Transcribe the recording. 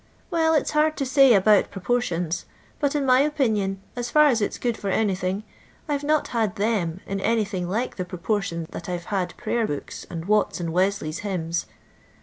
Well, it 's hard to say about proportions, but in my opinion, as far as it 's good for anything, I 've not had them in anything like the proportion that I've had Prayer books, and Watts' and Wesley's hymns.